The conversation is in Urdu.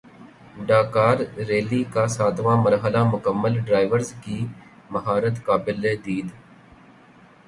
ڈاکارریلی کا ساتواں مرحلہ مکمل ڈرائیورز کی مہارت قابل دید